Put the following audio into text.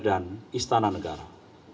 dan istana negara